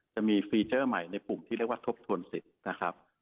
จะมีฟีเจอร์ใหม่ในปุ่มที่เรียกว่าทบทวนสิทธิ์นะครับ